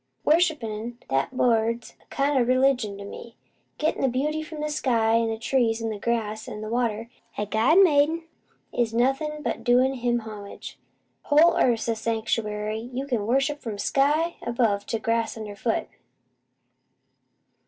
Worshipin' that bird's a kind o' religion with me. Getting the beauty from the sky, an' the trees, an' the grass, an' the water 'at God made, is nothin' but doin' Him homage. Whole earth's a sanctuary. You can worship from sky above to grass under foot.